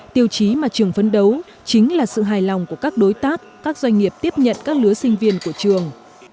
tiêu chí mà trường phấn đấu chính là sự hài lòng của các đối tác các doanh nghiệp tiếp nhận các lứa sinh viên của trường